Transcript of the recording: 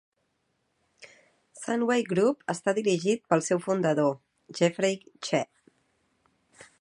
Sunway Group està dirigit pel seu fundador, Jeffrey Cheah.